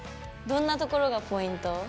どんなところがポイント？